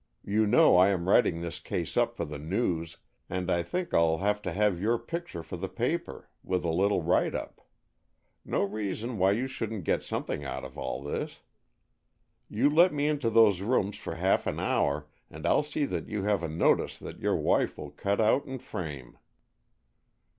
You know I am writing this case up for the News and I think I'll have to have your picture for the paper, with a little write up. No reason why you shouldn't get something out of all this. You let me into those rooms for half an hour, and I'll see that you have a notice that your wife will cut out and frame."